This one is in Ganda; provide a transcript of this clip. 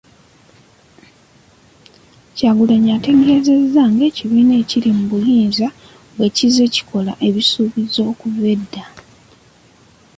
Kyagulanyi ategeezezza ng'ekibiina ekiri mu buyinza bwe kizze kikola ebisuubizo okuva edda.